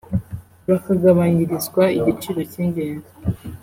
bakagabanyirizwa igiciro cy’ingendo